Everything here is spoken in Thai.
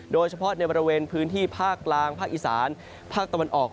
โดยเฉพาะในบริเวณพื้นที่ภาคกลางภาคอีสานภาคตะวันออก